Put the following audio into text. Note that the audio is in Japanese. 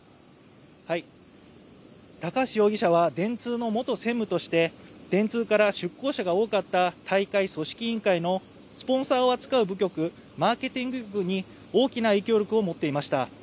高橋容疑者は電通の元専務として電通から出向者が多かった大会組織委員会のスポンサーを扱う部局、マーケティング局に大きな影響力を持っていました。